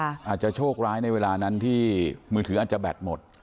อาจจะโชคร้ายในเวลานั้นที่มือถืออาจจะแบตหมด